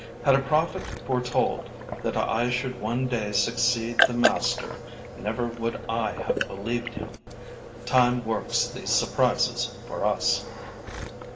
Had a prophet foretold that I should one day succeed the master, never would I have believed him. Time works these surprises for us.